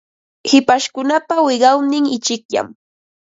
Hipashkunapa wiqawnin ichikllam.